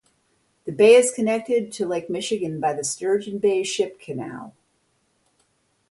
The bay is connected to Lake Michigan by the Sturgeon Bay Ship Canal.